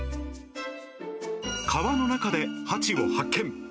川の中でハチを発見。